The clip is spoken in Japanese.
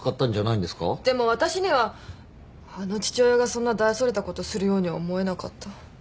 でも私にはあの父親がそんな大それたことするようには思えなかった。